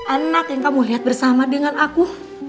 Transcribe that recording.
anak yang kamu lihat bersama dengan aku